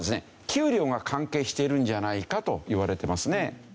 給料が関係しているんじゃないかといわれてますね。